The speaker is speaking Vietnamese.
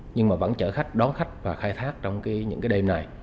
nhưng mà vẫn chở khách đón khách và khai thác trong những cái đêm này